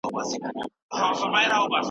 که مشرتوب نه وي ډلي په خپلو کي سره وېشل کېږي.